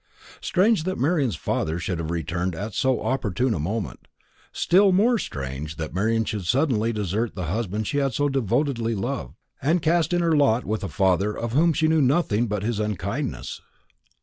Strange that Marian's father should have returned at so opportune a moment; still more strange that Marian should suddenly desert the husband she had so devotedly loved, and cast in her lot with a father of whom she knew nothing but his unkindness.